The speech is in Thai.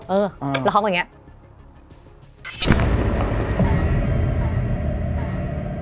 เออแล้วเค้าเป็นแบบเนี้ย